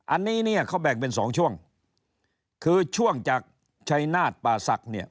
อันนี้เนี่ยเขาแบ่งเป็นสองช่วงคือช่วงจากชัยนาฏป่าศักดิ์เนี่ย